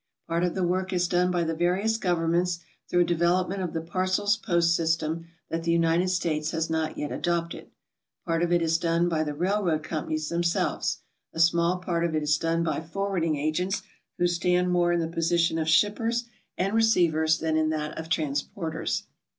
Part of the work is done by the various governments through a development of the parcels post system that the Lffiited States has not yet adopted; part of it is done by the railroad companies themselves; a small part of it is done by forwarding agents, who stand more in the position of shippers and receivers than in that of transporters.